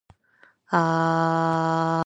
言葉を紡ぐ。